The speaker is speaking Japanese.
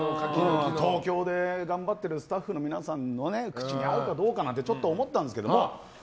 東京で頑張っているスタッフの皆さんの口に合うかどうかなんて思ったんですけど。